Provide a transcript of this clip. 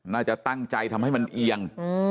น่าจะตั้งใจทำให้มันเอียง